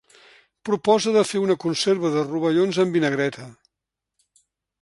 Proposa de fer una conserva de rovellons amb vinagreta.